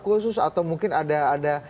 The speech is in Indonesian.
khusus atau mungkin ada